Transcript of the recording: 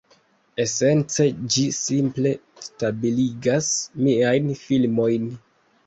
Esence ĝi simple stabiligas miajn filmojn.